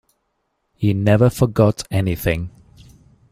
He never forgot anything.